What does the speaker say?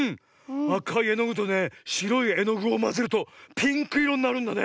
あかいえのぐとねしろいえのぐをまぜるとピンクいろになるんだね。